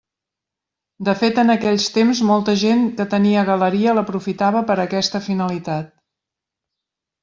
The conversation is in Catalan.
De fet en aquells temps molta gent que tenia galeria l'aprofitava per a aquesta finalitat.